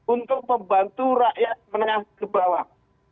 untuk membantu rakyat menengah ke bawah